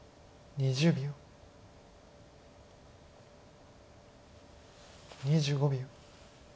２５秒。